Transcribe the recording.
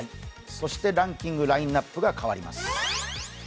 そしてランキング、ラインナップが変わります。